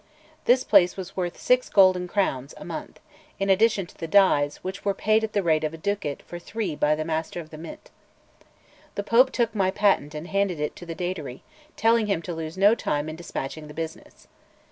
This place was worth six golden crowns a month, in addition to the dies, which were paid at the rate of a ducat for three by the Master of the Mint. The Pope took my patent and handed it to the Datary, telling him to lose no time in dispatching the business.